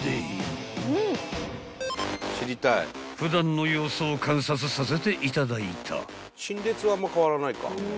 ［普段の様子を観察させていただいた］